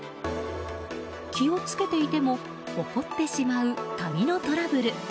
気を付けていても起こってしまう鍵のトラブル。